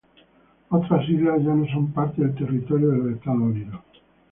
Otras islas ya no son parte del territorio de los Estados Unidos.